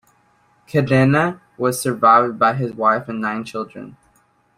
Cadena was survived by his wife and nine children.